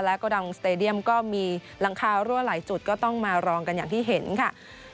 แล้วก็ดังสเตดียมก็มีหลังคารั่วหลายจุดก็ต้องมารองกันอย่างที่เห็นค่ะ